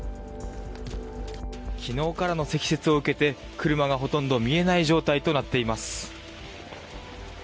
昨日からの積雪を受けて車が、ほとんど見えない状態となっています。